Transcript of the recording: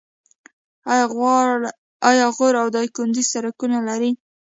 آیا غور او دایکنډي سړکونه لري؟